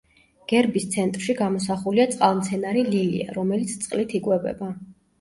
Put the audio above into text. გერბის ცენტრში გამოსახულია წყალმცენარე ლილია, რომელიც წყლით იკვებება.